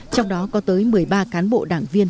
trong đó có tới một mươi ba cán bộ đảng viên